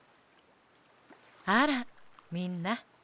あらみんな。